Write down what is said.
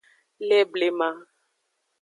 Le blema.